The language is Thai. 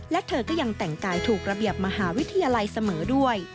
และเธอก็ยังแต่งกายถูกระเบียบมหาวิทยาลัยเสมอด้วย